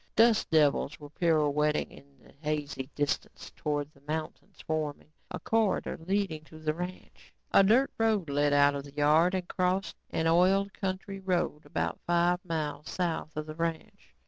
Dust devils were pirouetting in the hazy distance towards the mountains forming a corridor leading to the ranch. A dirt road led out of the yard and crossed an oiled county road about five miles south of the ranch.